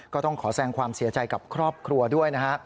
ก็ต้องขอแสงความเสียใจกับครอบครัวด้วยนะฮะ